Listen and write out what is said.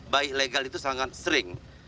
baik legal itu sangat sering